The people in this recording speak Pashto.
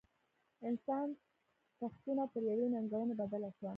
انسان تښتونه پر یوې ننګونې بدله شوه.